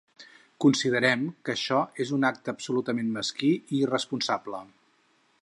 Considerem que això és un acte absolutament mesquí i irresponsable.